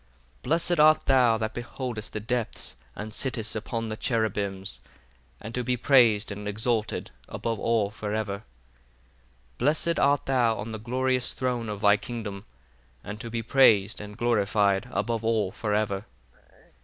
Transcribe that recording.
32 Blessed art thou that beholdest the depths, and sittest upon the cherubims: and to be praised and exalted above all for ever. 33 Blessed art thou on the glorious throne of thy kingdom: and to be praised and glorified above all for ever.